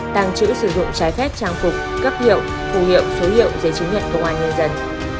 tàng trữ sử dụng trái phép trang phục cấp hiệu phù hiệu số hiệu giấy chứng nhận công an nhân dân